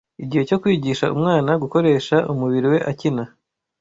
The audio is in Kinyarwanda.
igihe cyo kwigisha Umwana gukoresha umubiri we akina